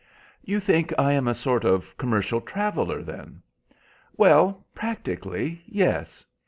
"You think I am a sort of commercial traveller, then?" "Well, practically, yes.